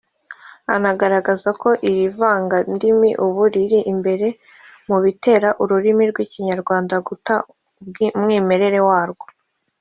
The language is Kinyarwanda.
Anagaragaza ko iri vangandimi ubu riri imbere mu bitera ururimi rw’Ikinyarwanda guta umwimerere wa rwo